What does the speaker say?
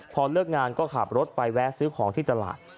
พอเลิกงานก็ขับรถไปแวะซื้อของที่ตลาด